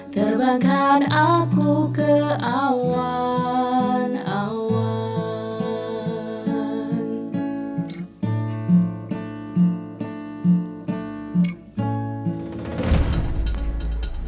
terbangkan aku ke awan awan